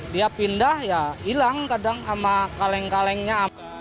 dia pindah ya hilang kadang sama kaleng kalengnya